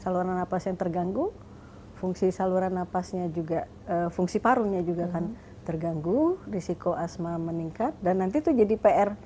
saluran nafas yang terganggu fungsi saluran nafasnya juga fungsi parunya juga akan terganggu risiko asma meningkat dan nanti itu jadi pr